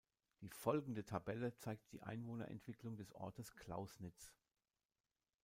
Die folgende Tabelle zeigt die Einwohnerentwicklung des Ortes Clausnitz.